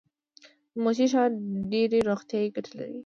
د مچۍ شات ډیرې روغتیایي ګټې لري